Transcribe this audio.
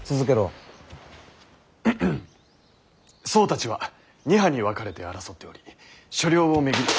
僧たちは二派に分かれて争っており所領を巡り。